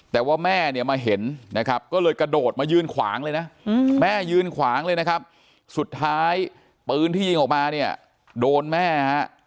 แต่ว่าแม่เนี่ยมาเห็นนะครับก็เลยกระโดดมายืนขวางเลยนะแม่ยืนขวางเลยนะครับสุดท้ายปืนที่ยิงออกมาเนี่ยโดนแม่ฮะ